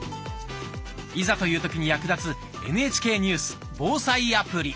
いざという時に役立つ「ＮＨＫニュース・防災アプリ」。